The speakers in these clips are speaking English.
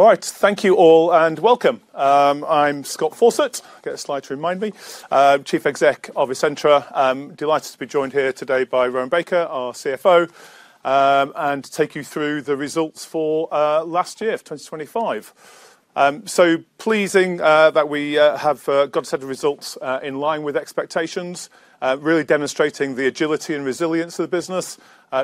All right, thank you all, and welcome. I'm Scott Fawcett, get a slide to remind me, Chief Exec of Essentra. I'm delighted to be joined here today by Rowan Baker, our CFO, and to take you through the results for last year of 2025. Pleasing that we have got a set of results in line with expectations, really demonstrating the agility and resilience of the business.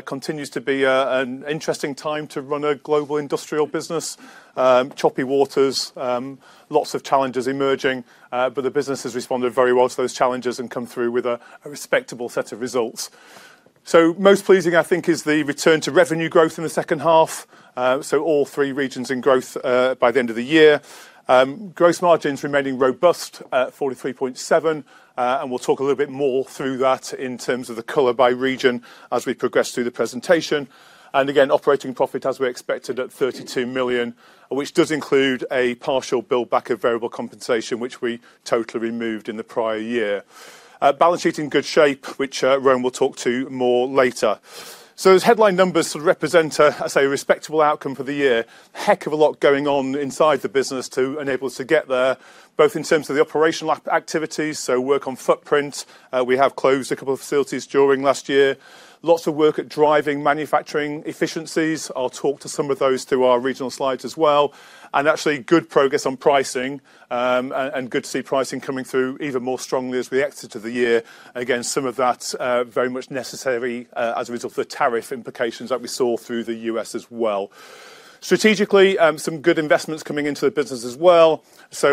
Continues to be an interesting time to run a global industrial business. Choppy waters, lots of challenges emerging, but the business has responded very well to those challenges and come through with a respectable set of results. Most pleasing, I think, is the return to revenue growth in the second half. All three regions in growth by the end of the year. Gross margins remaining robust at 43.7%. We'll talk a little bit more through that in terms of the color by region as we progress through the presentation. Operating profit as we expected at 32 million, which does include a partial build-back of variable compensation, which we totally removed in the prior year. Balance sheet in good shape, which, Rowan will talk to more later. As headline numbers represent a, I say, respectable outcome for the year, heck of a lot going on inside the business to enable us to get there, both in terms of the operational activities, so work on footprint. We have closed a couple of facilities during last year. Lots of work at driving manufacturing efficiencies. I'll talk to some of those through our regional slides as well. Actually, good progress on pricing, and good to see pricing coming through even more strongly as we exit the year. Again, some of that very much necessary as a result of the tariff implications that we saw in the U.S. as well. Strategically, some good investments coming into the business as well.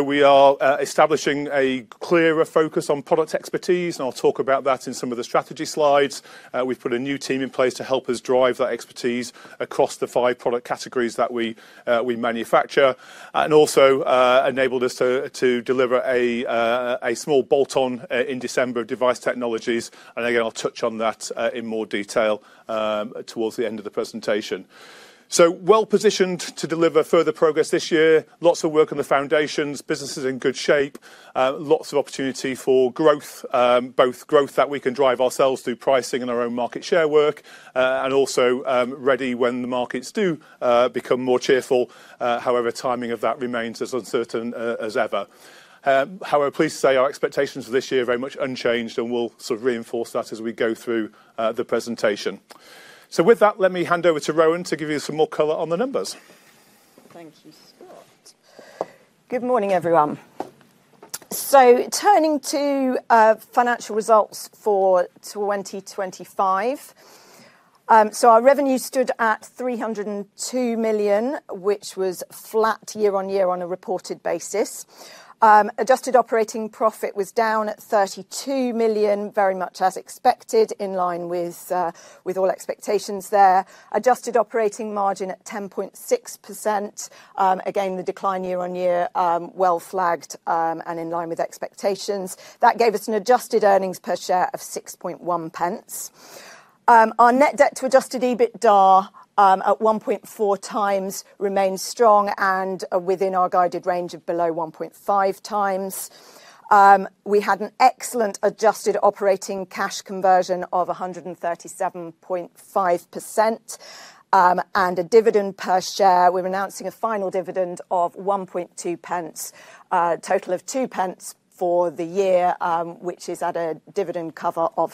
We are establishing a clearer focus on product expertise, and I'll talk about that in some of the strategy slides. We've put a new team in place to help us drive that expertise across the five product categories that we manufacture, and also enabled us to deliver a small bolt-on in December of Device Technologies. Again, I'll touch on that in more detail towards the end of the presentation. Well-positioned to deliver further progress this year. Lots of work on the foundations. Business is in good shape. Lots of opportunity for growth, both growth that we can drive ourselves through pricing and our own market share work, and also, ready when the markets do become more cheerful. However, timing of that remains as uncertain as ever. However, pleased to say our expectations for this year are very much unchanged, and we'll sort of reinforce that as we go through the presentation. With that, let me hand over to Rowan to give you some more color on the numbers. Thank you, Scott. Good morning, everyone. Turning to financial results for 2025. Our revenue stood at 302 million, which was flat year-on-year on a reported basis. Adjusted operating profit was down at 32 million, very much as expected, in line with all expectations there. Adjusted operating margin at 10.6%. Again, the decline year-on-year, well flagged, and in line with expectations. That gave us an adjusted earnings per share of 0.061. Our net-debt to Adjusted EBITDA at 1.4x remains strong and within our guided range of below 1.5x. We had an excellent adjusted operating cash conversion of 137.5%, and a dividend per share. We're announcing a final dividend of 0.012 pence, total of 0.02 pence for the year, which is at a dividend cover of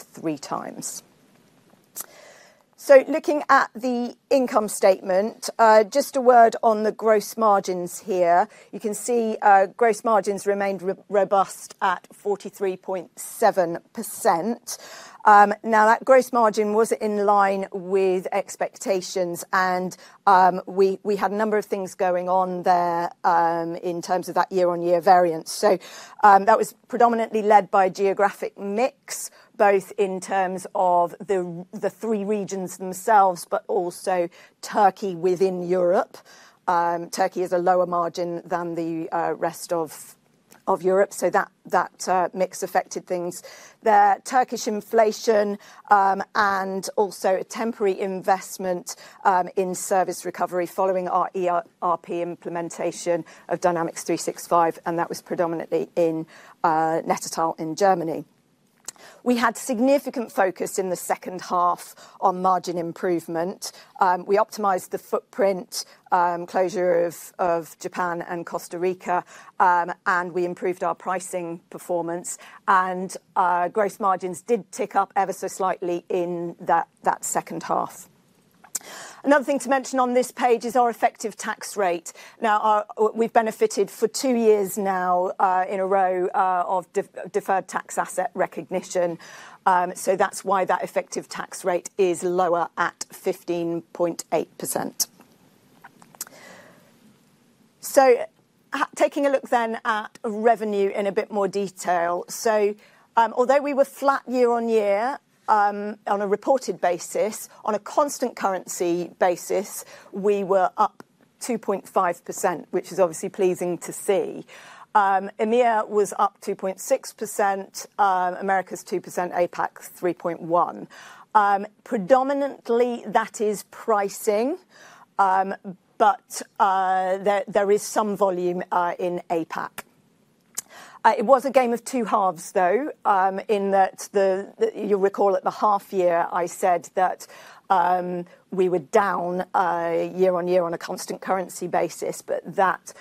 3x. Looking at the income statement, just a word on the gross margins here. You can see, gross margins remained robust at 43.7%. Now that gross margin was in line with expectations, and we had a number of things going on there, in terms of that year-on-year variance. That was predominantly led by geographic mix, both in terms of the three regions themselves, but also Turkey within Europe. Turkey is a lower margin than the rest of Europe, so that mix affected things. The Turkish inflation and also a temporary investment in service recovery following our ERP implementation of Dynamics 365, and that was predominantly in Nettetal in Germany. We had significant focus in the second half on margin improvement. We optimized the footprint, closure of Japan and Costa Rica, and we improved our pricing performance, and our gross margins did tick up ever so slightly in that second half. Another thing to mention on this page is our effective tax rate. Now, we've benefited for two years now in a row of deferred tax asset recognition, so that's why that effective tax rate is lower at 15.8%. Taking a look then at revenue in a bit more detail. Although we were flat year-on-year, on a reported basis, on a constant currency basis, we were up 2.5%, which is obviously pleasing to see. EMEA was up 2.6%, Americas 2%, APAC 3.1%. Predominantly, that is pricing, but there is some volume in APAC. It was a game of two halves, though, in that the. You'll recall at the half year, I said that we were down year on year on a constant currency basis, but that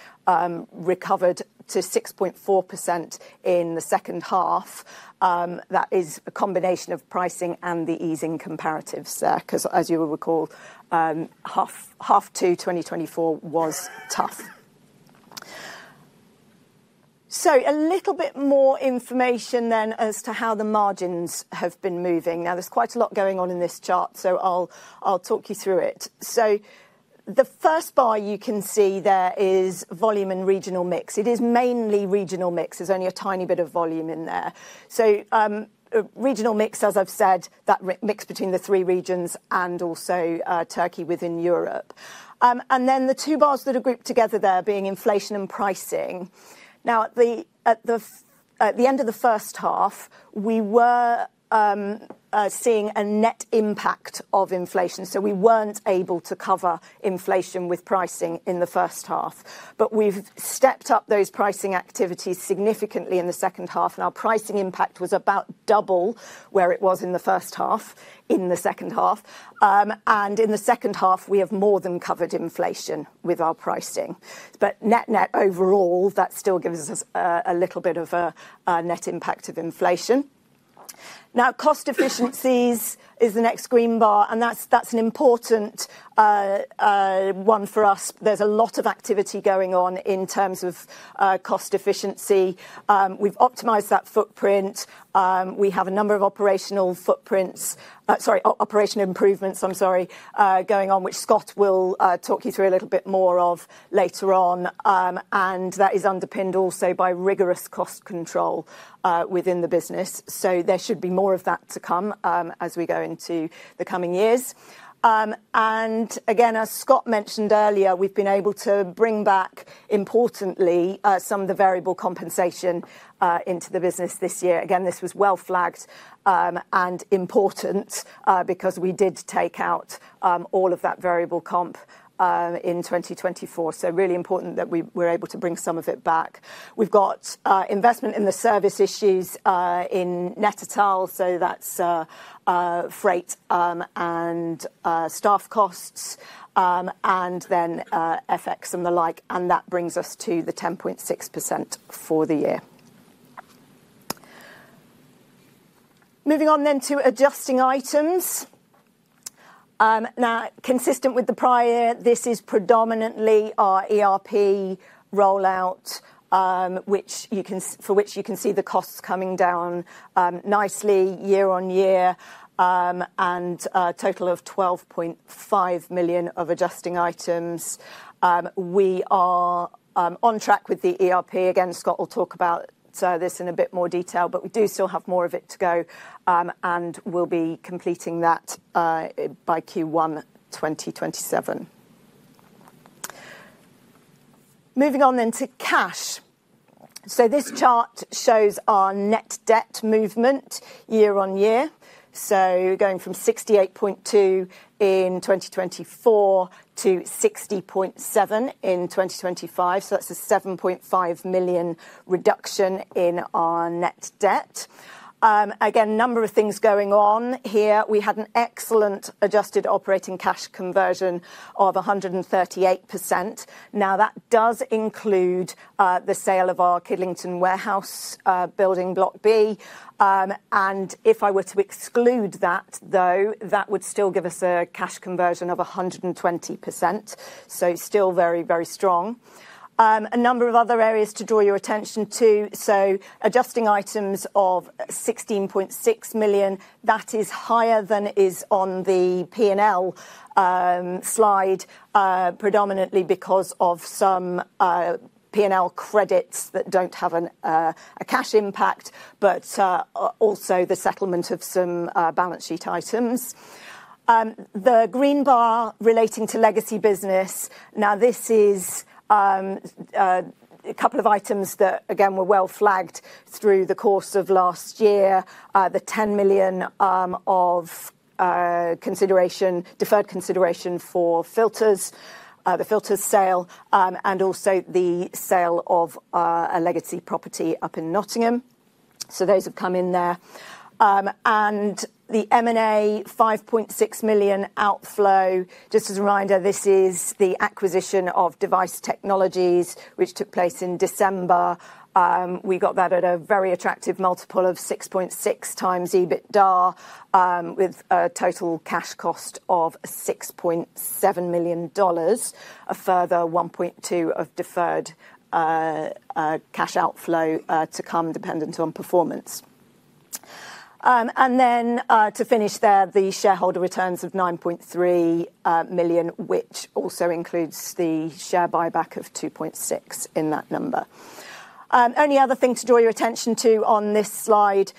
recovered to 6.4% in the second half. That is a combination of pricing and the easing comparatives there 'cause, as you will recall, half two 2024 was tough. A little bit more information then as to how the margins have been moving. Now, there's quite a lot going on in this chart, so I'll talk you through it. The first bar you can see there is volume and regional mix. It is mainly regional mix. There's only a tiny bit of volume in there. Regional mix, as I've said, that regional mix between the three regions and also Turkey within Europe. Then the two bars that are grouped together there being inflation and pricing. Now, at the end of the first half, we were seeing a net impact of inflation, so we weren't able to cover inflation with pricing in the first half. We've stepped up those pricing activities significantly in the second half, and our pricing impact was about double where it was in the first half, in the second half. In the second half, we have more than covered inflation with our pricing. Net-net overall, that still gives us a little bit of a net impact of inflation. Now, cost efficiencies is the next green bar, and that's an important one for us. There's a lot of activity going on in terms of cost efficiency. We've optimized that footprint. We have a number of operational improvements going on, which Scott will talk you through a little bit more of later on. That is underpinned also by rigorous cost control within the business. There should be more of that to come as we go into the coming years. Again, as Scott mentioned earlier, we've been able to bring back, importantly, some of the variable compensation into the business this year. Again, this was well flagged and important because we did take out all of that variable comp in 2024. Really important that we're able to bring some of it back. We've got investment in the service issues in Nettetal, so that's freight and staff costs, and then FX and the like, and that brings us to the 10.6% for the year. Moving on to adjusting items. Now, consistent with the prior, this is predominantly our ERP rollout, which you can see the costs coming down, nicely year-on-year, and a total of 12.5 million of adjusting items. We are on track with the ERP. Again, Scott will talk about sort of this in a bit more detail, but we do still have more of it to go, and we'll be completing that by Q1 2027. Moving on to cash. This chart shows our net-debt movement year-on-year. Going from 68.2 million in 2024 to 60.7 million in 2025, that's a 7.5 million reduction in our net-debt. Again, a number of things going on here. We had an excellent adjusted operating cash conversion of 138%. Now, that does include the sale of our Kidlington warehouse, building block B, and if I were to exclude that, though, that would still give us a cash conversion of 120%, so still very, very strong. A number of other areas to draw your attention to. Adjusting items of 16.6 million. That is higher than is on the P&L slide, predominantly because of some P&L credits that don't have a cash impact, but also the settlement of some balance sheet items. The green bar relating to legacy business. Now, this is a couple of items that, again, were well flagged through the course of last year. The 10 million of consideration, deferred consideration for filters, the filters sale, and also the sale of a legacy property up in Nottingham. Those have come in there. The M&A 5.6 million outflow. Just as a reminder, this is the acquisition of Device Technologies which took place in December. We got that at a very attractive multiple of 6.6x EBITDA, with a total cash cost of GBP 6.7 million, a further 1.2 million of deferred cash outflow to come dependent on performance. To finish there, the shareholder returns of 9.3 million, which also includes the share buyback of 2.6 million in that number. Only other thing to draw your attention to on this slide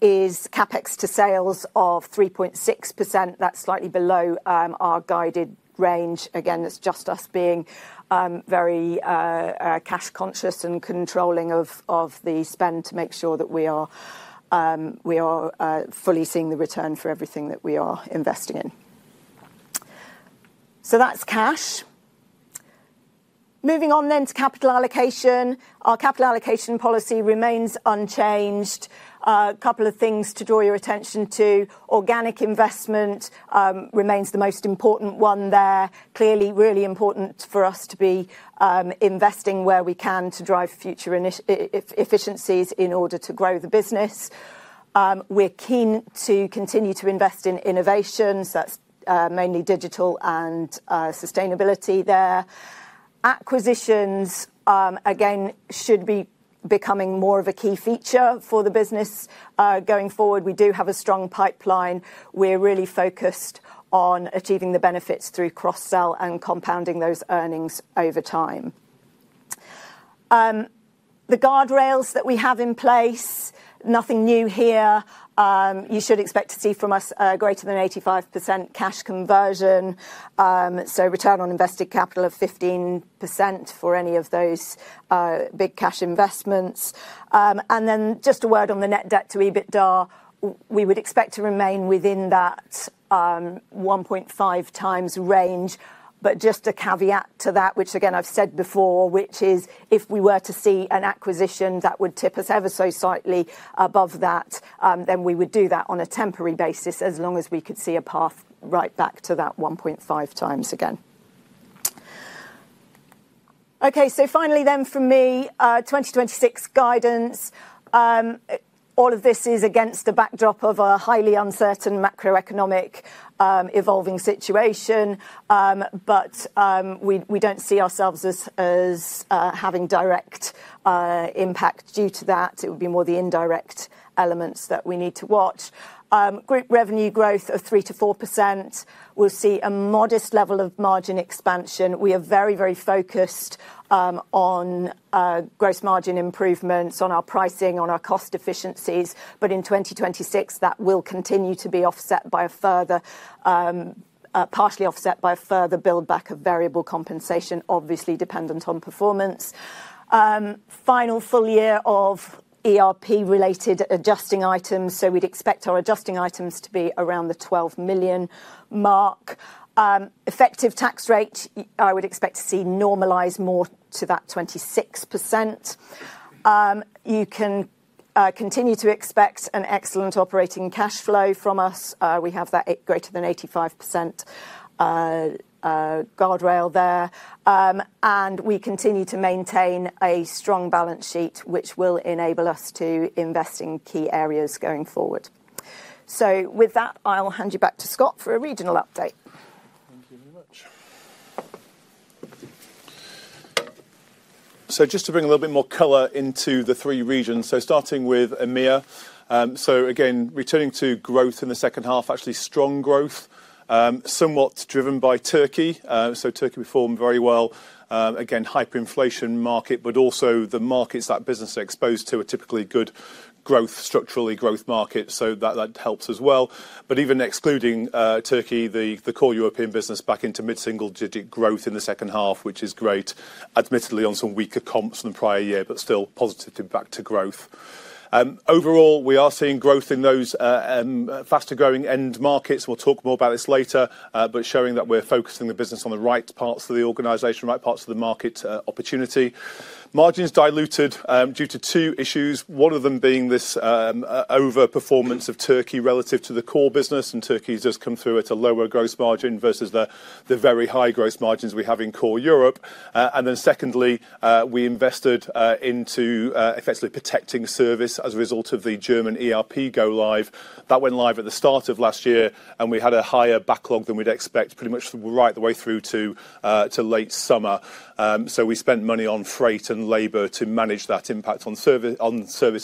is CapEx to sales of 3.6%. That's slightly below our guided range. Again, that's just us being very cash conscious and controlling of the spend to make sure that we are fully seeing the return for everything that we are investing in. That's cash. Moving on to capital allocation. Our capital allocation policy remains unchanged. Couple of things to draw your attention to. Organic investment remains the most important one there. Clearly, really important for us to be investing where we can to drive future efficiencies in order to grow the business. We're keen to continue to invest in innovations. That's mainly digital and sustainability there. Acquisitions, again, should be becoming more of a key feature for the business, going forward. We do have a strong pipeline. We're really focused on achieving the benefits through cross-sell and compounding those earnings over time. The guardrails that we have in place, nothing new here. You should expect to see from us a greater than 85% cash conversion. Return on invested capital of 15% for any of those big cash investments. Just a word on the net-debt to EBITDA. We would expect to remain within that 1.5x range. Just a caveat to that, which again, I've said before, which is if we were to see an acquisition that would tip us ever so slightly above that, then we would do that on a temporary basis, as long as we could see a path right back to that 1.5x again. Okay. Finally for me, 2026 guidance. All of this is against the backdrop of a highly uncertain macroeconomic, evolving situation. We don't see ourselves as having direct impact due to that. It would be more the indirect elements that we need to watch. Group revenue growth of 3%-4%. We'll see a modest level of margin expansion. We are very, very focused on gross margin improvements on our pricing, on our cost efficiencies, but in 2026, that will continue to be partially offset by a further build back of variable compensation, obviously dependent on performance. Final full year of ERP-related adjusting items. We'd expect our adjusting items to be around the 12 million mark. Effective tax rate, I would expect to see normalize more to that 26%. You can continue to expect an excellent operating cash flow from us. We have that greater than 85% guardrail there. We continue to maintain a strong balance sheet, which will enable us to invest in key areas going forward. With that, I'll hand you back to Scott for a regional update. Thank you very much. Just to bring a little bit more color into the three regions. Starting with EMEA. Again, returning to growth in the second half, actually strong growth, somewhat driven by Turkey. Turkey performed very well. Again, hyperinflation market, but also the markets that business are exposed to are typically good growth, structural growth markets, so that helps as well. But even excluding Turkey, the core European business back into mid-single digit growth in the second half, which is great, admittedly on some weaker comps than the prior year, but still positive, back to growth. Overall, we are seeing growth in those faster-growing end markets. We'll talk more about this later, but showing that we're focusing the business on the right parts of the organization, right parts of the market opportunity. Margins diluted due to two issues, one of them being this overperformance of Turkey relative to the core business, and Turkey has just come through at a lower gross margin versus the very high gross margins we have in core Europe. Secondly, we invested into effectively protecting service as a result of the German ERP go live. That went live at the start of last year, and we had a higher backlog than we'd expect pretty much right the way through to late summer. We spent money on freight and labor to manage that impact on service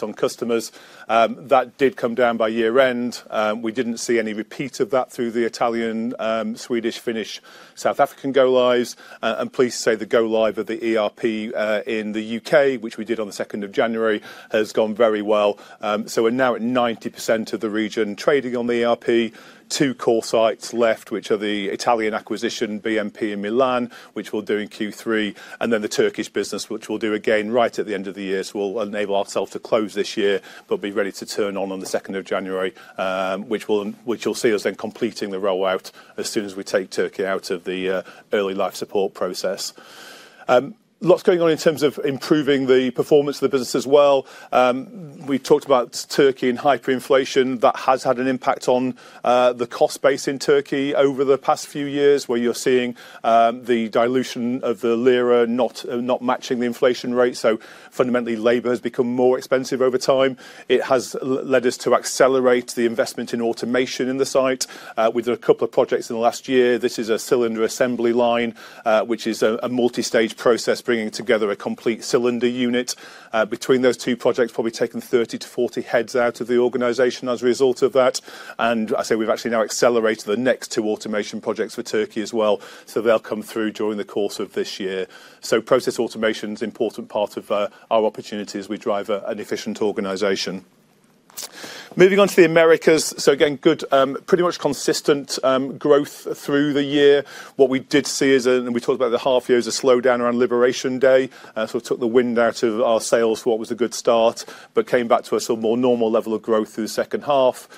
on customers. That did come down by year end. We didn't see any repeat of that through the Italian, Swedish, Finnish, South African go lives. I'm pleased to say the go live of the ERP in the U.K., which we did on the second of January, has gone very well. We're now at 90% of the region trading on the ERP. Two core sites left, which are the Italian acquisition, BMP in Milan, which we'll do in Q3, and then the Turkish business, which we'll do again right at the end of the year. We'll enable ourselves to close this year, but be ready to turn on the second of January, which you'll see us then completing the rollout as soon as we take Turkey out of the early life support process. Lots going on in terms of improving the performance of the business as well. We talked about Turkey and hyperinflation. That has had an impact on the cost base in Turkey over the past few years, where you're seeing the dilution of the Lira not matching the inflation rate. Fundamentally, labor has become more expensive over time. It has led us to accelerate the investment in automation in the site. We did a couple of projects in the last year. This is a cylinder assembly line, which is a multistage process bringing together a complete cylinder unit. Between those two projects, probably taken 30-40 heads out of the organization as a result of that. I say we've actually now accelerated the next two automation projects for Turkey as well. They'll come through during the course of this year. Process automation is an important part of our opportunity as we drive an efficient organization. Moving on to the Americas. Again, good, pretty much consistent growth through the year. What we did see is, and we talked about the half year, is a slowdown around Liberation Day. Sort of took the wind out of our sales, what was a good start, but came back to a sort of more normal level of growth through the second half.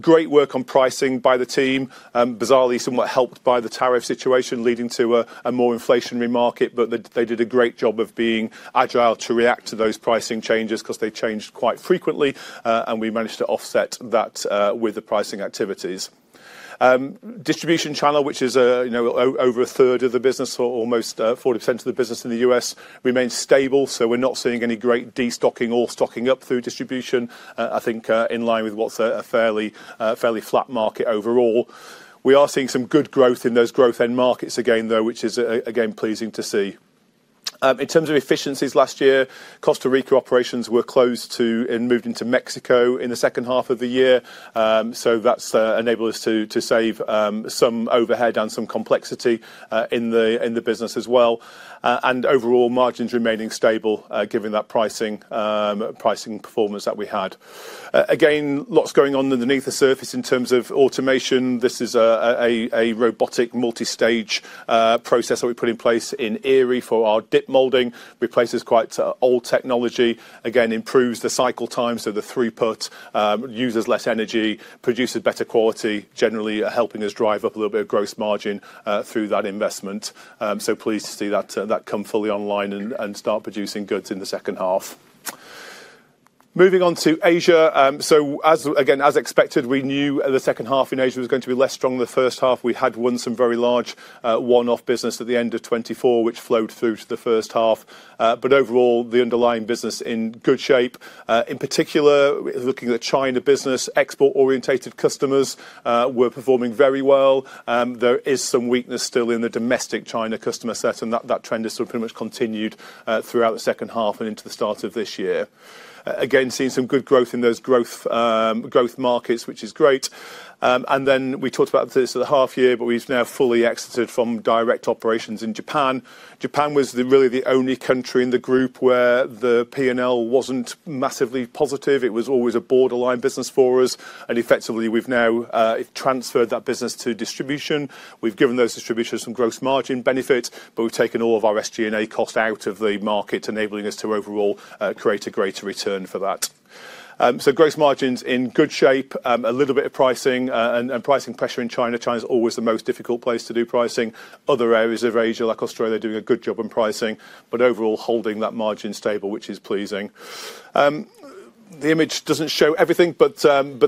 Great work on pricing by the team. Bizarrely, somewhat helped by the tariff situation, leading to a more inflationary market, but they did a great job of being agile to react to those pricing changes 'cause they changed quite frequently, and we managed to offset that with the pricing activities. Distribution channel, which is, you know, over a third of the business or almost 40% of the business in the U.S. remains stable, so we're not seeing any great de-stocking or stocking up through distribution. I think in line with what's a fairly flat market overall. We are seeing some good growth in those growth end markets again, though, which is again, pleasing to see. In terms of efficiencies last year, Costa Rica operations were closed and moved into Mexico in the second half of the year. So that's enabled us to save some overhead and some complexity in the business as well. Overall margins remaining stable, given that pricing performance that we had. Again, lots going on underneath the surface in terms of automation. This is a robotic multi-stage process that we put in place in Erie for our dip molding. Replaces quite old technology. Again, improves the cycle time, so the throughput. Uses less energy, produces better quality, generally helping us drive up a little bit of gross margin through that investment. Pleased to see that come fully online and start producing goods in the second half. Moving on to Asia. As expected, we knew the second half in Asia was going to be less strong than the first half. We had won some very large one-off business at the end of 2024, which flowed through to the first half. Overall, the underlying business in good shape. In particular, looking at the China business, export-oriented customers were performing very well. There is some weakness still in the domestic China customer set and that trend has sort of pretty much continued throughout the second half and into the start of this year. Again, seeing some good growth in those growth markets, which is great. We talked about this at the half year, but we've now fully exited from direct operations in Japan. Japan was really the only country in the group where the P&L wasn't massively positive. It was always a borderline business for us. Effectively, we've now transferred that business to distribution. We've given those distributors some gross margin benefit, but we've taken all of our SG&A costs out of the market, enabling us to overall create a greater return for that. Gross margins in good shape. A little bit of pricing and pricing pressure in China. China's always the most difficult place to do pricing. Other areas of Asia, like Australia, are doing a good job on pricing, but overall holding that margin stable, which is pleasing. The image doesn't show everything, but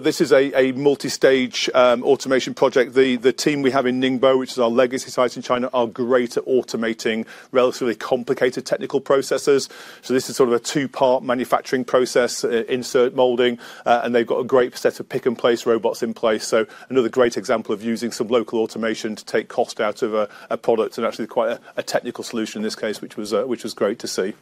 this is a multi-stage automation project. The team we have in Ningbo, which is our legacy site in China, are great at automating relatively complicated technical processes. This is sort of a two-part manufacturing process, insert molding, and they've got a great set of pick-and-place robots in place. Another great example of using some local automation to take cost out of a product and actually quite a technical solution in this case, which was great to see.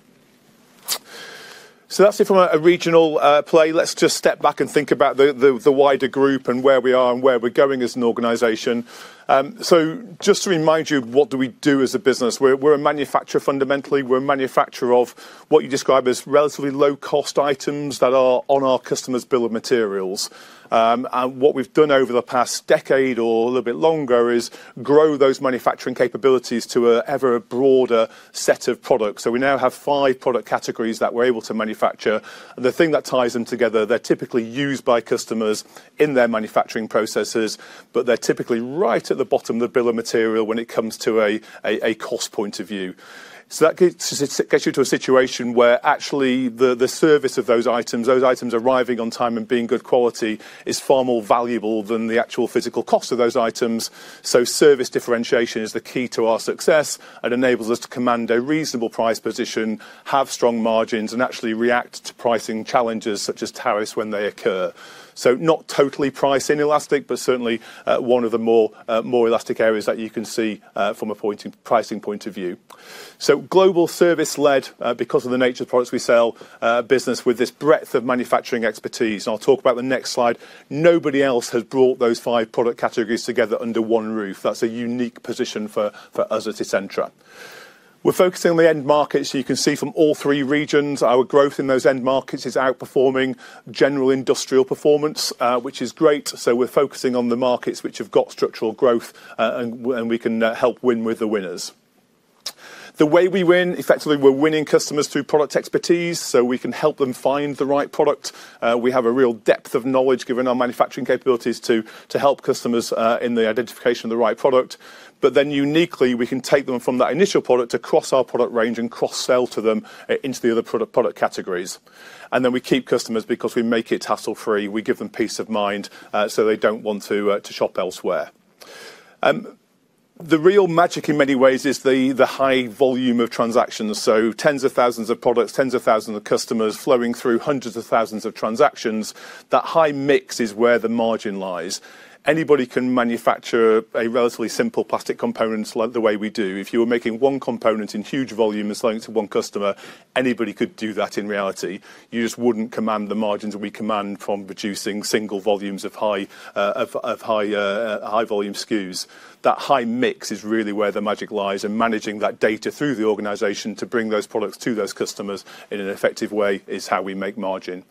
That's it from a regional play. Let's just step back and think about the wider group and where we are and where we're going as an organization. Just to remind you, what do we do as a business? We're a manufacturer, fundamentally. We're a manufacturer of what you describe as relatively low-cost items that are on our customers' bill of materials. What we've done over the past decade or a little bit longer is grow those manufacturing capabilities to a ever broader set of products. We now have five product categories that we're able to manufacture. The thing that ties them together, they're typically used by customers in their manufacturing processes, but they're typically right at the bottom of the bill of material when it comes to a cost point of view. That gets you to a situation where actually the service of those items arriving on time and being good quality is far more valuable than the actual physical cost of those items. Service differentiation is the key to our success and enables us to command a reasonable price position, have strong margins, and actually react to pricing challenges such as tariffs when they occur. Not totally price inelastic, but certainly one of the more elastic areas that you can see from a pricing point of view. Global service led, because of the nature of the products we sell, business with this breadth of manufacturing expertise, and I'll talk about the next slide. Nobody else has brought those five product categories together under one roof. That's a unique position for us at Essentra. We're focusing on the end markets. You can see from all three regions, our growth in those end markets is outperforming general industrial performance, which is great. We're focusing on the markets which have got structural growth, and we can help win with the winners. The way we win, effectively, we're winning customers through product expertise, so we can help them find the right product. We have a real depth of knowledge, given our manufacturing capabilities to help customers in the identification of the right product. Uniquely, we can take them from that initial product across our product range and cross-sell to them into the other product categories. We keep customers because we make it hassle-free. We give them peace of mind, so they don't want to shop elsewhere. The real magic in many ways is the high volume of transactions, so tens of thousands of products, tens of thousands of customers flowing through hundreds of thousands of transactions. That high mix is where the margin lies. Anybody can manufacture a relatively simple plastic component the way we do. If you were making one component in huge volume and selling it to one customer, anybody could do that in reality. You just wouldn't command the margins we command from producing single volumes of high volume SKUs. That high mix is really where the magic lies, and managing that data through the organization to bring those products to those customers in an effective way is how we make margin.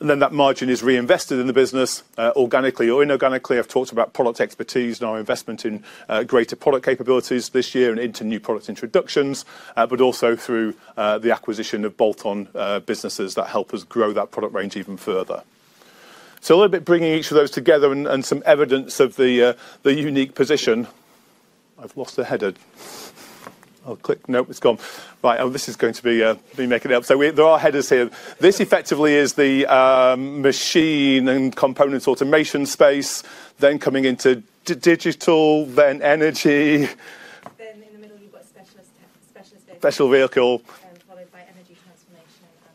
That margin is reinvested in the business, organically or inorganically. I've talked about product expertise and our investment in greater product capabilities this year and into new product introductions, but also through the acquisition of bolt-on businesses that help us grow that product range even further. A little bit bringing each of those together and some evidence of the unique position. I've lost the header. I'll click. Nope, it's gone. Right. Oh, this is going to be me making it up. There are headers here. This effectively is the machine and components automation space, then coming into digital, then energy. In the middle, you've got specialist vehicle. Special vehicle.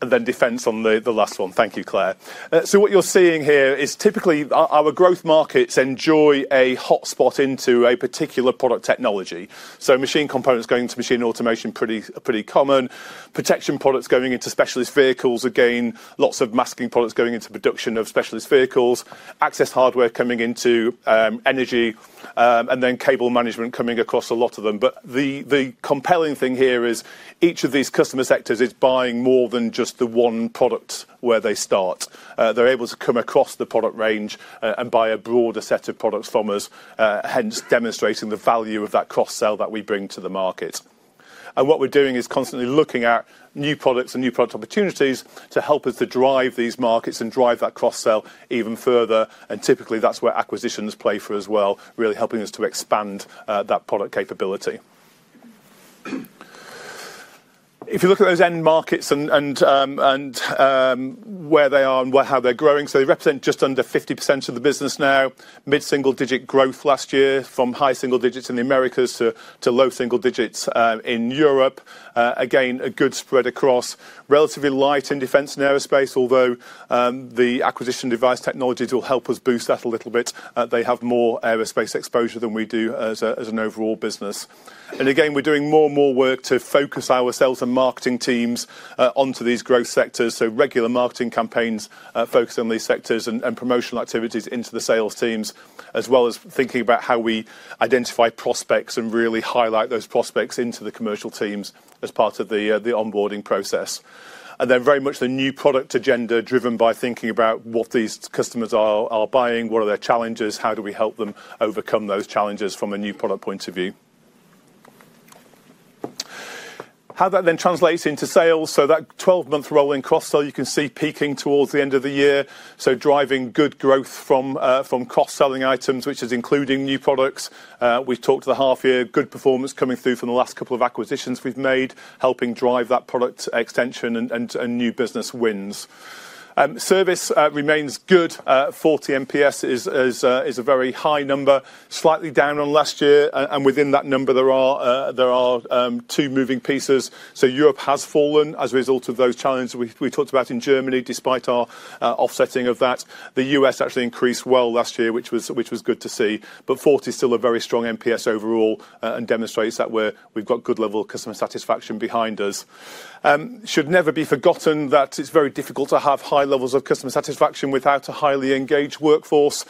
Followed by energy transformation. Defense on the last one. Thank you, Claire. What you're seeing here is typically our growth markets enjoy a hotspot into a particular product technology. Machine components going to machine automation pretty common. Protection products going into specialist vehicles. Again, lots of masking products going into production of specialist vehicles. Access hardware coming into energy, and cable management coming across a lot of them. The compelling thing here is each of these customer sectors is buying more than just the one product where they start. They're able to come across the product range and buy a broader set of products from us, hence demonstrating the value of that cross-sell that we bring to the market. What we're doing is constantly looking at new products and new product opportunities to help us to drive these markets and drive that cross-sell even further. Typically, that's where acquisitions play for us well, really helping us to expand that product capability. If you look at those end markets and where they are and how they're growing, so they represent just under 50% of the business now. Mid-single-digit growth last year from high single digits in the Americas to low single digits in Europe. Again, a good spread across. Relatively light in defense and aerospace, although the acquisition Device Technologies will help us boost that a little bit. They have more aerospace exposure than we do as an overall business. We're doing more and more work to focus ourselves and marketing teams onto these growth sectors. Regular marketing campaigns focused on these sectors and promotional activities into the sales teams, as well as thinking about how we identify prospects and really highlight those prospects into the commercial teams as part of the onboarding process. Very much the new product agenda driven by thinking about what these customers are buying, what are their challenges, how do we help them overcome those challenges from a new product point of view? How that then translates into sales. That 12-month rolling cross-sell you can see peaking towards the end of the year, driving good growth from cross-selling items, which is including new products. We talked the half year, good performance coming through from the last couple of acquisitions we've made, helping drive that product extension and new business wins. Service remains good. 40 NPS is a very high number. Slightly down on last year. And within that number, there are two moving pieces. Europe has fallen as a result of those challenges we talked about in Germany, despite our offsetting of that. The U.S. actually increased well last year, which was good to see, but 40 is still a very strong NPS overall, and demonstrates that we've got good level of customer satisfaction behind us. Should never be forgotten that it's very difficult to have high levels of customer satisfaction without a highly engaged workforce.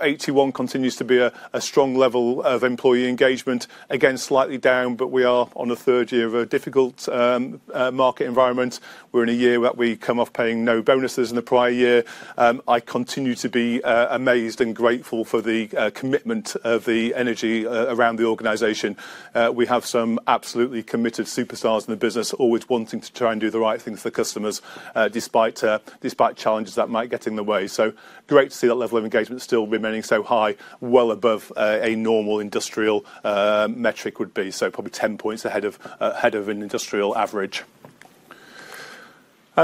81 continues to be a strong level of employee engagement. Again, slightly down, but we are on the third year of a difficult market environment. We're in a year where we come off paying no bonuses in the prior year. I continue to be amazed and grateful for the commitment of the energy around the organization. We have some absolutely committed superstars in the business always wanting to try and do the right thing for customers, despite challenges that might get in the way. Great to see that level of engagement still remaining so high, well above a normal industrial metric would be. Probably 10 points ahead of an industrial average.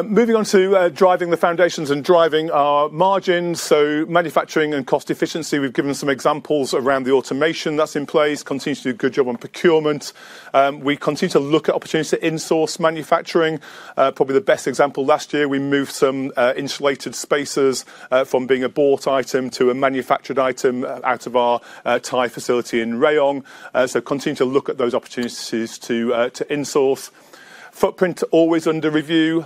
Moving on to driving the foundations and driving our margins. Manufacturing and cost efficiency, we've given some examples around the automation that's in place. Continue to do a good job on procurement. We continue to look at opportunities to insource manufacturing. Probably the best example last year, we moved some insulated spacers from being a bought item to a manufactured item out of our Thai facility in Rayong. Continue to look at those opportunities to insource. Footprint always under review.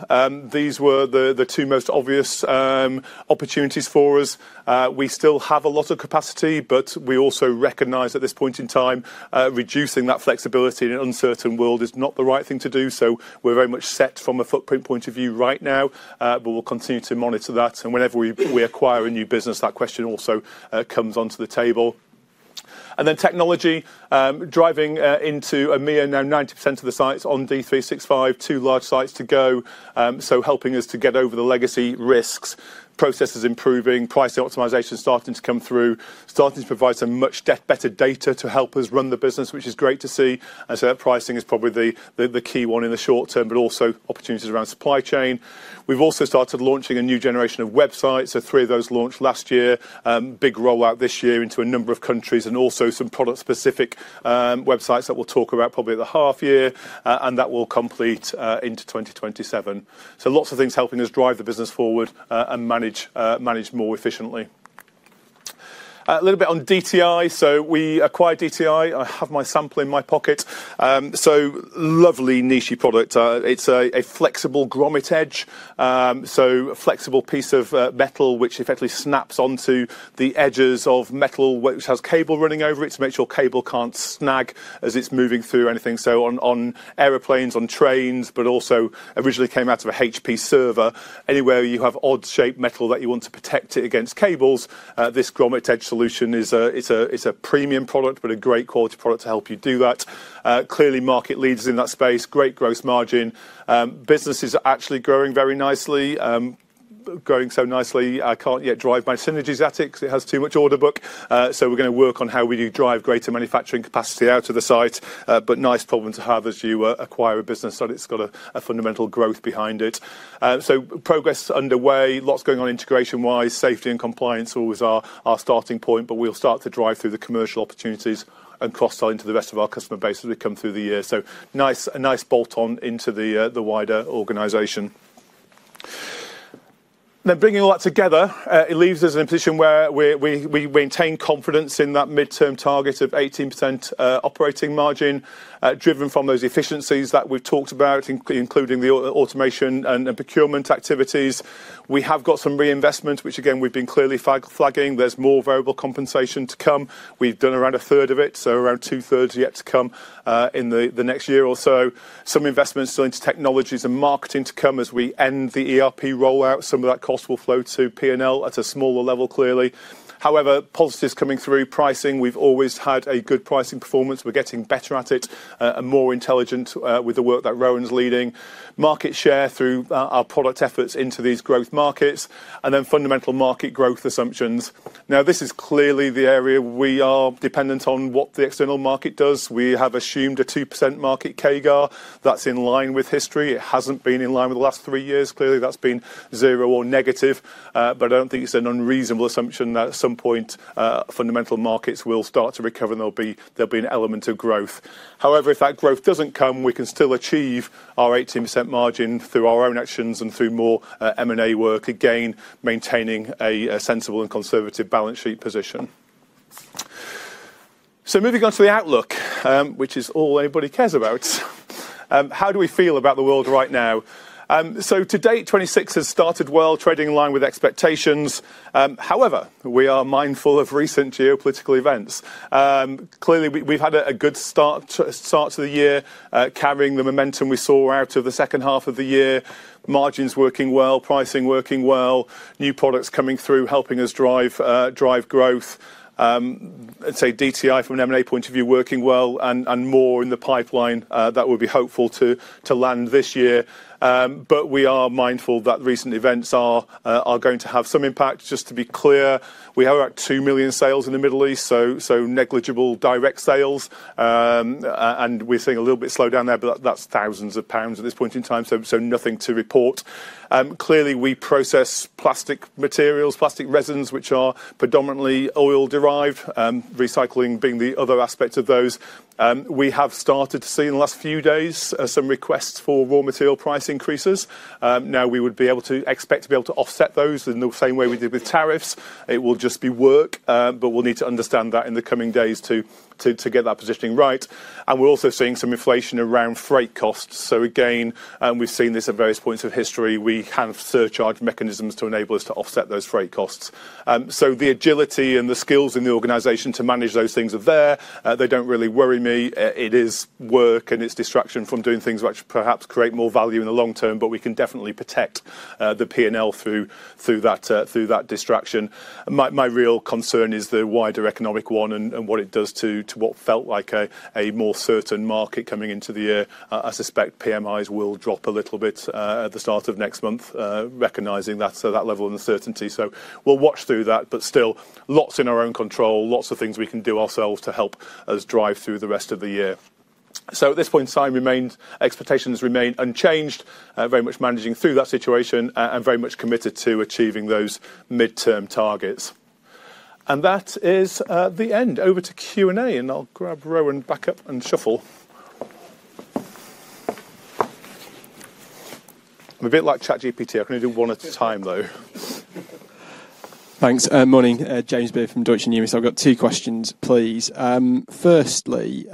These were the two most obvious opportunities for us. We still have a lot of capacity, but we also recognize at this point in time, reducing that flexibility in an uncertain world is not the right thing to do. We're very much set from a footprint point of view right now, but we'll continue to monitor that. Whenever we acquire a new business, that question also comes onto the table. Then technology driving into Americas now 90% of the sites on D365, two large sites to go, so helping us to get over the legacy risks. Processes improving, pricing optimization starting to come through. Starting to provide some much better data to help us run the business, which is great to see. I'd say that pricing is probably the key one in the short term, but also opportunities around supply chain. We've also started launching a new generation of websites. Three of those launched last year. Big rollout this year into a number of countries and also some product-specific websites that we'll talk about probably at the half year, and that will complete into 2027. Lots of things helping us drive the business forward, and manage more efficiently. A little bit on DTI. We acquired DTI. I have my sample in my pocket. Lovely niche-y product. It's a flexible Grommet Edge. A flexible piece of metal which effectively snaps onto the edges of metal which has cable running over it to make sure cable can't snag as it's moving through or anything. On airplanes, on trains, but also originally came out of a HP server. Anywhere you have odd-shaped metal that you want to protect it against cables, this Grommet Edge solution is a premium product, but a great quality product to help you do that. Clearly market leaders in that space, great gross margin. Business is actually growing very nicely. Growing so nicely, I can't yet drive my synergies at it 'cause it has too much order book. We're gonna work on how we do drive greater manufacturing capacity out of the site. Nice problem to have as you acquire a business that it's got a fundamental growth behind it. Progress underway. Lots going on integration-wise. Safety and compliance always are our starting point, but we'll start to drive through the commercial opportunities and cross-sell into the rest of our customer base as we come through the year. Nice, a nice bolt-on into the wider organization. Now, bringing all that together, it leaves us in a position where we maintain confidence in that midterm target of 18%, operating margin, driven from those efficiencies that we've talked about, including the automation and the procurement activities. We have got some reinvestment, which again, we've been clearly flagging. There's more variable compensation to come. We've done around a third of it, so around two-thirds are yet to come, in the next year or so. Some investments into technologies and marketing to come as we end the ERP rollout. Some of that cost will flow to P&L at a smaller level, clearly. However, positives coming through pricing. We've always had a good pricing performance. We're getting better at it, and more intelligent, with the work that Rowan's leading. Market share through our product efforts into these growth markets, and then fundamental market growth assumptions. Now, this is clearly the area we are dependent on what the external market does. We have assumed a 2% market CAGR. That's in line with history. It hasn't been in line with the last three years. Clearly, that's been zero or negative. But I don't think it's an unreasonable assumption that at some point, fundamental markets will start to recover and there'll be an element of growth. However, if that growth doesn't come, we can still achieve our 18% margin through our own actions and through more M&A work, again, maintaining a sensible and conservative balance sheet position. Moving on to the outlook, which is all anybody cares about. How do we feel about the world right now? To date, 2026 has started well, trading in line with expectations. However, we are mindful of recent geopolitical events. Clearly, we've had a good start to the year, carrying the momentum we saw out of the second half of the year. Margins working well, pricing working well, new products coming through, helping us drive growth. I'd say DTI from an M&A point of view, working well and more in the pipeline that we'll be hopeful to land this year. We are mindful that recent events are going to have some impact. Just to be clear, we have about 2 million sales in the Middle East, so negligible direct sales. We're seeing a little bit slowdown there, but that's thousands of pounds at this point in time, so nothing to report. Clearly we process plastic materials, plastic resins, which are predominantly oil-derived, recycling being the other aspect of those. We have started to see in the last few days some requests for raw material price increases. Now we would be able to expect to be able to offset those in the same way we did with tariffs. It will just be work, but we'll need to understand that in the coming days to get that positioning right. We're also seeing some inflation around freight costs. Again, and we've seen this at various points of history, we have surcharge mechanisms to enable us to offset those freight costs. The agility and the skills in the organization to manage those things are there. They don't really worry me. It is work and it's distraction from doing things which perhaps create more value in the long term, but we can definitely protect the P&L through that distraction. My real concern is the wider economic one and what it does to what felt like a more certain market coming into the year. I suspect PMIs will drop a little bit at the start of next month, recognizing that, so that level of uncertainty. We'll watch through that, but still lots in our own control, lots of things we can do ourselves to help us drive through the rest of the year. At this point in time, expectations remain unchanged, very much managing through that situation, and very much committed to achieving those midterm targets. That is the end. Over to Q&A, and I'll grab Rowan back up and shuffle. I'm a bit like ChatGPT. I can only do one at a time, though. Thanks. Morning. James Beard from Deutsche Bank. I've got two questions, please. Firstly,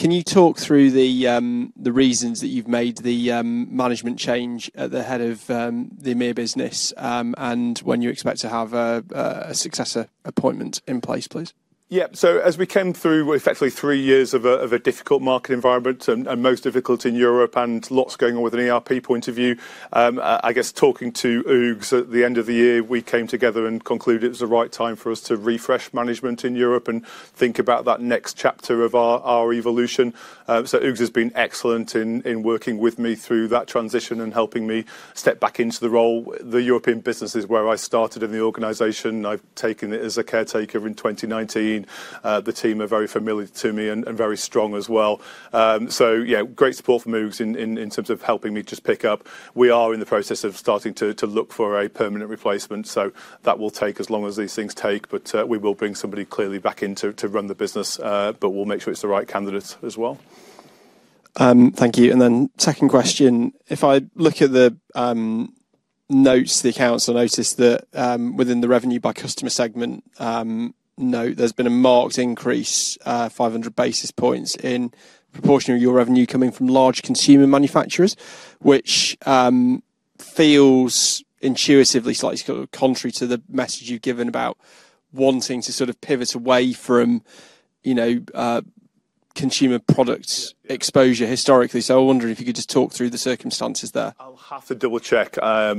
can you talk through the reasons that you've made the management change at the head of the EMEA business, and when you expect to have a successor appointment in place, please? Yeah. As we came through effectively three years of a difficult market environment and most difficult in Europe, and lots going on with an ERP point of view, I guess talking to Hugues at the end of the year, we came together and concluded it was the right time for us to refresh management in Europe and think about that next chapter of our evolution. Hugues has been excellent in working with me through that transition and helping me step back into the role. The European business is where I started in the organization. I've taken it as a caretaker in 2019. The team are very familiar to me and very strong as well. Yeah, great support from Hugues in terms of helping me just pick up. We are in the process of starting to look for a permanent replacement. That will take as long as these things take. We will bring somebody clearly back in to run the business, but we'll make sure it's the right candidate as well. Thank you. Then second question, if I look at the notes, the accounts, I notice that within the revenue by customer segment note, there's been a marked increase, 500 basis points in proportion of your revenue coming from large consumer manufacturers, which feels intuitively slightly sort of contrary to the message you've given about wanting to sort of pivot away from, you know, consumer products exposure historically. I wonder if you could just talk through the circumstances there. I'll have to double-check. I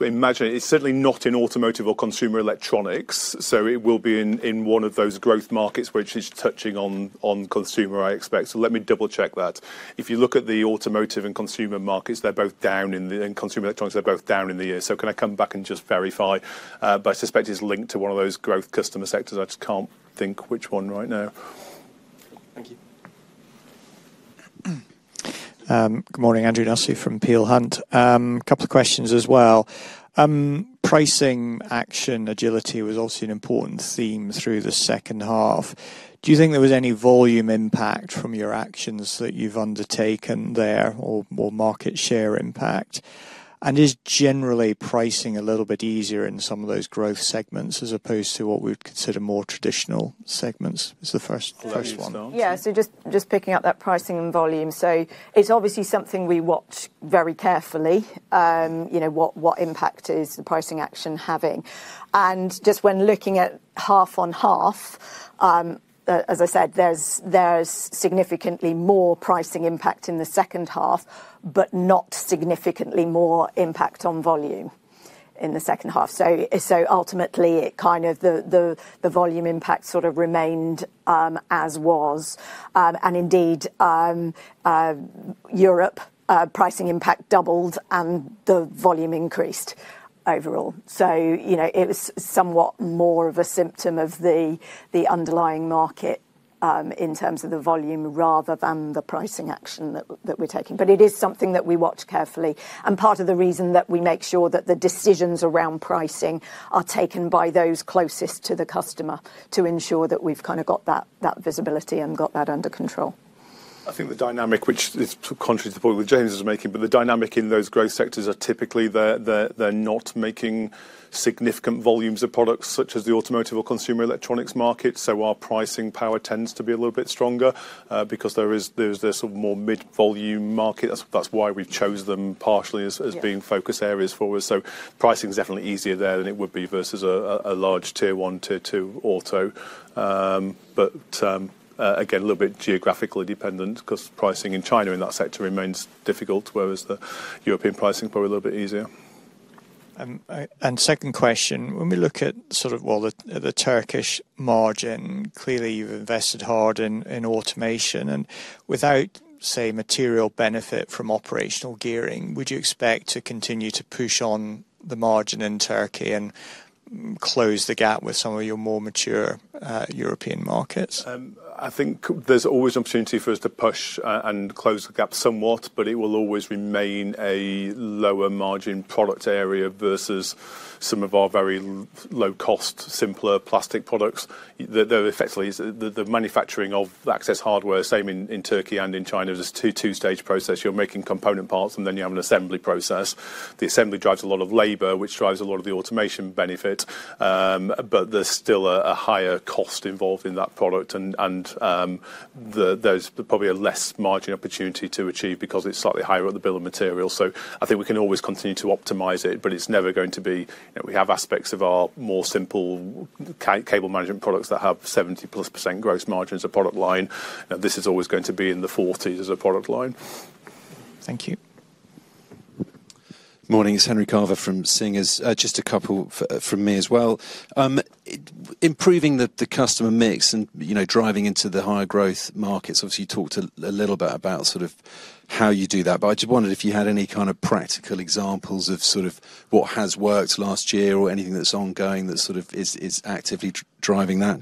imagine it's certainly not in automotive or consumer electronics, so it will be in one of those growth markets which is touching on consumer, I expect. Let me double-check that. If you look at the automotive and consumer markets, they're both down in the year. Consumer electronics, they're both down in the year. Can I come back and just verify? I suspect it's linked to one of those growth customer sectors. I just can't think which one right now. Thank you. Good morning. Andrew Nelson from Peel Hunt. Couple of questions as well. Pricing action agility was also an important theme through the second half. Do you think there was any volume impact from your actions that you've undertaken there or market share impact? Is generally pricing a little bit easier in some of those growth segments as opposed to what we would consider more traditional segments? Is the first one. Can I start? Yeah. Just picking up that pricing volume. It's obviously something we watch very carefully. You know, what impact is the pricing action having? Just when looking at half on half, as I said, there's significantly more pricing impact in the second half, but not significantly more impact on volume in the second half. Ultimately, the volume impact sort of remained as was. Indeed, Europe's pricing impact doubled and the volume increased overall. You know, it was somewhat more of a symptom of the underlying market in terms of the volume rather than the pricing action that we're taking. It is something that we watch carefully and part of the reason that we make sure that the decisions around pricing are taken by those closest to the customer to ensure that we've kinda got that visibility and got that under control. I think the dynamic which is contrary to the point that James is making, but the dynamic in those growth sectors are typically they're not making significant volumes of products such as the automotive or consumer electronics market. Our pricing power tends to be a little bit stronger because there's this sort of more mid-volume market. That's why we've chose them partially as being focus areas for us. Pricing is definitely easier there than it would be versus a large tier one, tier two auto. Again, a little bit geographically dependent 'cause pricing in China in that sector remains difficult, whereas the European pricing is probably a little bit easier. Second question. When we look at the Turkish margin, clearly you've invested hard in automation. Without material benefit from operational gearing, would you expect to continue to push on the margin in Turkey and close the gap with some of your more mature European markets? I think there's always opportunity for us to push and close the gap somewhat, but it will always remain a lower margin product area versus some of our very low cost, simpler plastic products. Effectively, the manufacturing of Access hardware, same in Turkey and in China, is a two-stage process. You're making component parts, and then you have an assembly process. The assembly drives a lot of labor, which drives a lot of the automation benefit. But there's still a higher cost involved in that product and there's probably a less margin opportunity to achieve because it's slightly higher on the bill of material. I think we can always continue to optimize it, but it's never going to be. You know, we have aspects of our more simple cable management products that have 70%+ gross margin as a product line. This is always going to be in the 40%s as a product line. Thank you. Morning. It's Henry Carver from Singer Capital Markets. Just a couple from me as well. Improving the customer mix and, you know, driving into the higher growth markets, obviously you talked a little bit about sort of how you do that. I just wondered if you had any kind of practical examples of sort of what has worked last year or anything that's ongoing that sort of is actively driving that.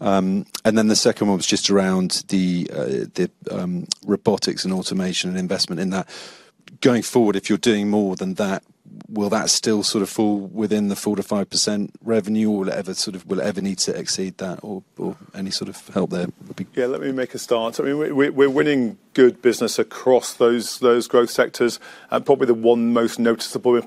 The second one was just around the robotics and automation and investment in that. Going forward, if you're doing more than that, will that still sort of fall within the 4%-5% revenue? Or will it ever need to exceed that or any sort of help there would be? Yeah, let me make a start. I mean, we're winning good business across those growth sectors. Probably the one most noticeable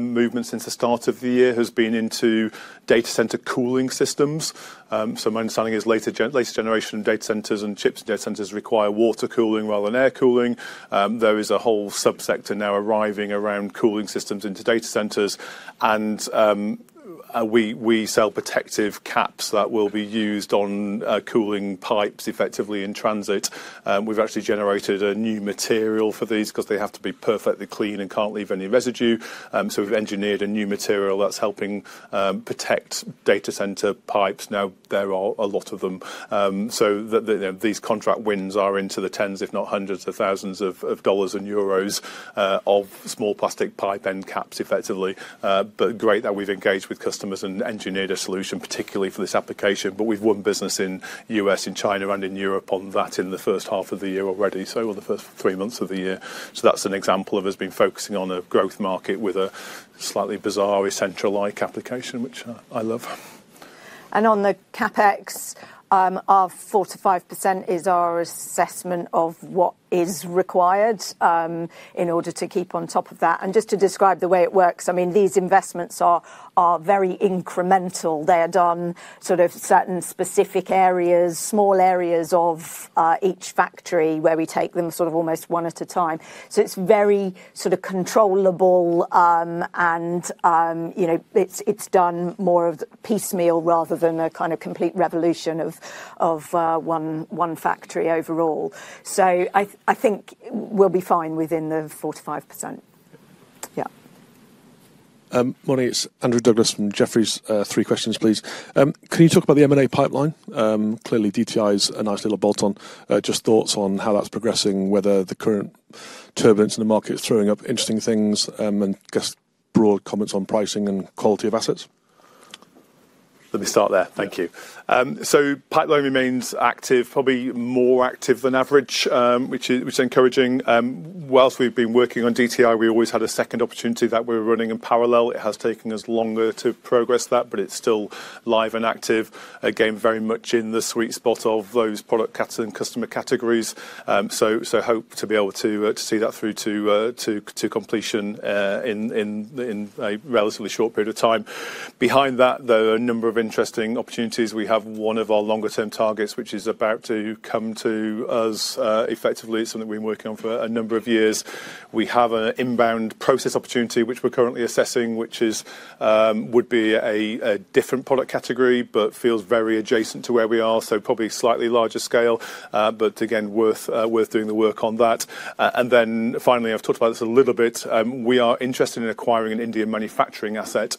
movement since the start of the year has been into data center cooling systems. My understanding is later generation data centers and chips data centers require water cooling rather than air cooling. There is a whole subsector now arriving around cooling systems into data centers, and we sell protective caps that will be used on cooling pipes effectively in transit. We've actually generated a new material for these 'cause they have to be perfectly clean and can't leave any residue. We've engineered a new material that's helping protect data center pipes. Now there are a lot of them. These contract wins are into the tens, if not hundreds of thousands of dollars and euros of small plastic pipe end caps effectively. Great that we've engaged with customers and engineered a solution particularly for this application. We've won business in U.S., in China and in Europe on that in the first half of the year already, on the first three months of the year. That's an example of us being focusing on a growth market with a slightly bizarre essential like application, which I love. On the CapEx, our 4%-5% is our assessment of what is required in order to keep on top of that. Just to describe the way it works, I mean, these investments are very incremental. They are done in certain specific areas, small areas of each factory where we take them sort of almost one at a time. It's very sort of controllable. You know, it's done more on a piecemeal rather than a kind of complete revolution of one factory overall. I think we'll be fine within the 4%-5%. Yeah. Morning. It's Andrew Douglas from Jefferies. Three questions, please. Can you talk about the M&A pipeline? Clearly DTI is a nice little bolt on. Just thoughts on how that's progressing, whether the current turbulence in the market is throwing up interesting things, and just broad comments on pricing and quality of assets. Let me start there. Thank you. Pipeline remains active, probably more active than average, which is encouraging. While we've been working on DTI, we always had a second opportunity that we're running in parallel. It has taken us longer to progress that, but it's still live and active. Again, very much in the sweet spot of those customer categories. Hope to be able to see that through to completion in a relatively short period of time. Behind that, there are a number of interesting opportunities. We have one of our longer-term targets, which is about to come to us, effectively. It's something we've been working on for a number of years. We have an inbound process opportunity which we're currently assessing, which would be a different product category, but feels very adjacent to where we are, so probably slightly larger scale, but again, worth doing the work on that. Finally, I've talked about this a little bit. We are interested in acquiring an Indian manufacturing asset,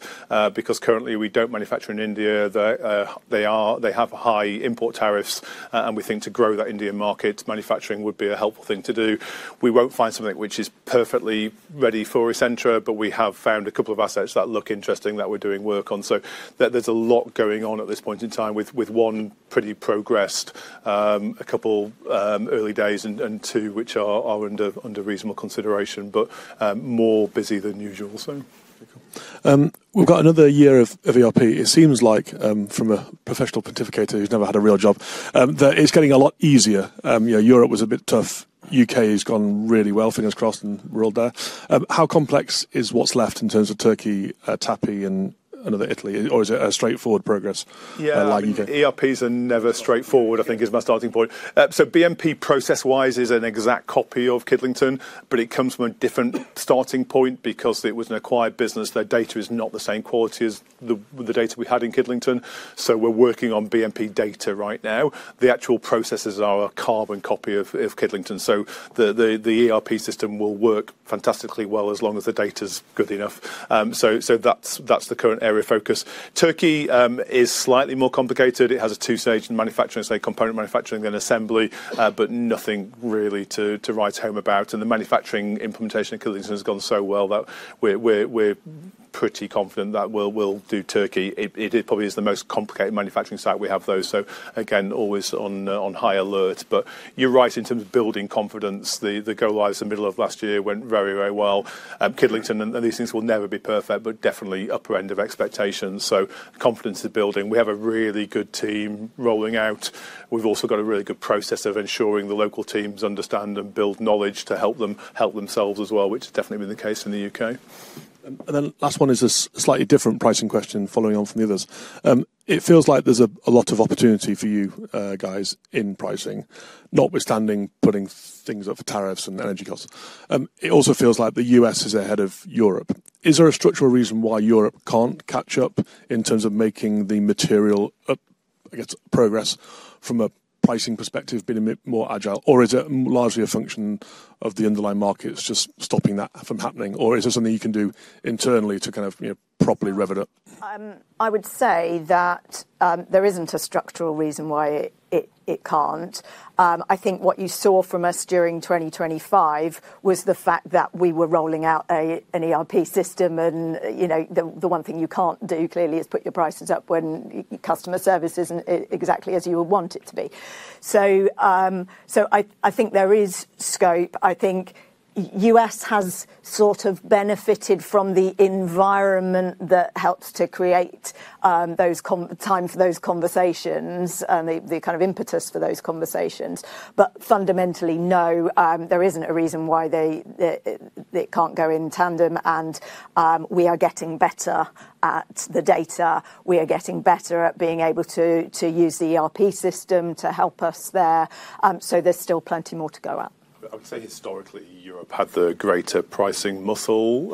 because currently we don't manufacture in India. They have high import tariffs, and we think to grow that Indian market, manufacturing would be a helpful thing to do. We won't find something which is perfectly ready for Essentra, but we have found a couple of assets that look interesting that we're doing work on. There's a lot going on at this point in time with one pretty progressed, a couple early days and two which are under reasonable consideration. But more busy than usual. We've got another year of ERP. It seems like, from a professional pontificator who's never had a real job, that it's getting a lot easier. You know, Europe was a bit tough. U.K. has gone really well, fingers crossed, and world there. How complex is what's left in terms of Turkey, TAPPI and another Italy? Or is it a straightforward progress- Yeah. Like you get? ERP is never straightforward, I think, is my starting point. BMP process-wise is an exact copy of Kidlington, but it comes from a different starting point because it was an acquired business. Their data is not the same quality as the data we had in Kidlington. We're working on BMP data right now. The actual processes are a carbon copy of Kidlington. The ERP system will work fantastically well as long as the data's good enough. That's the current area of focus. Turkey is slightly more complicated. It has a two-stage manufacturing, say, component manufacturing and assembly, but nothing really to write home about. The manufacturing implementation at Kidlington has gone so well that we're pretty confident that we'll do Turkey. It probably is the most complicated manufacturing site we have, though. Again, always on high alert. You're right in terms of building confidence. The go-lives in the middle of last year went very, very well. Kidlington and these things will never be perfect, but definitely upper end of expectations. Confidence is building. We have a really good team rolling out. We've also got a really good process of ensuring the local teams understand and build knowledge to help them help themselves as well, which has definitely been the case in the U.K. Last one is a slightly different pricing question following on from the others. It feels like there's a lot of opportunity for you guys in pricing, notwithstanding putting things up for tariffs and energy costs. It also feels like the U.S. is ahead of Europe. Is there a structural reason why Europe can't catch up in terms of making the margin up, I guess, progress from a pricing perspective being a bit more agile? Or is it largely a function of the underlying markets just stopping that from happening? Or is there something you can do internally to kind of, you know, properly rev it up? I would say that there isn't a structural reason why it can't. I think what you saw from us during 2025 was the fact that we were rolling out an ERP system and, you know, the one thing you can't do, clearly, is put your prices up when your customer service isn't exactly as you would want it to be. I think there is scope. I think U.S. has sort of benefited from the environment that helps to create time for those conversations, the kind of impetus for those conversations. Fundamentally, no, there isn't a reason why it can't go in tandem and we are getting better at the data. We are getting better at being able to use the ERP system to help us there. There's still plenty more to go up. I would say historically, Europe had the greater pricing muscle.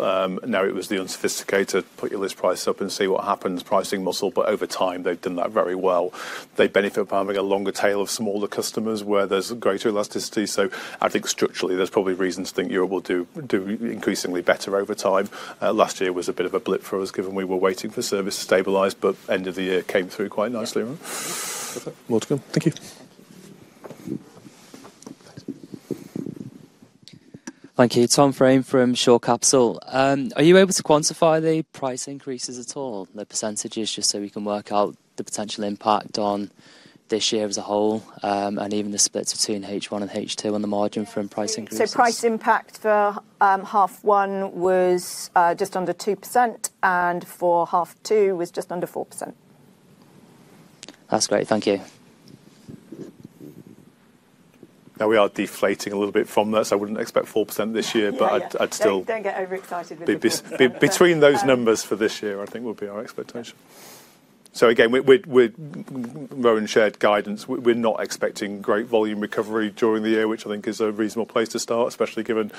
Now it was the unsophisticated, put your list price up and see what happens pricing muscle. Over time, they've done that very well. They benefit from having a longer tail of smaller customers where there's greater elasticity. I think structurally, there's probably reasons to think Europe will do increasingly better over time. Last year was a bit of a blip for us, given we were waiting for service to stabilize, but end of the year came through quite nicely. More to come. Thank you. Thank you. Thanks. Thank you. Tom Fraine from Shore Capital. Are you able to quantify the price increases at all, the percentages, just so we can work out the potential impact on this year as a whole, and even the splits between H1 and H2 on the margin from pricing increases? Price impact for half one was just under 2%, and for half two was just under 4%. That's great. Thank you. Now we are deflating a little bit from this. I wouldn't expect 4% this year. Yeah. I'd still Don't get overexcited with it. Between those numbers for this year, I think would be our expectation. Again, Rowan shared guidance. We're not expecting great volume recovery during the year, which I think is a reasonable place to start, especially given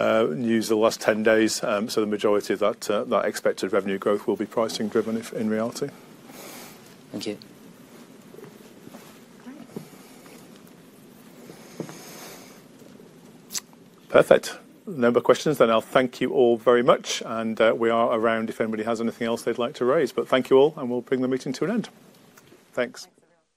news the last 10 days. The majority of that expected revenue growth will be pricing driven in reality. Thank you. Great. Perfect. No more questions then. I'll thank you all very much. We are around if anybody has anything else they'd like to raise. Thank you all, and we'll bring the meeting to an end. Thanks. Thanks, everyone.